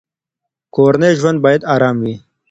کورنی ژوند باید ارام وي.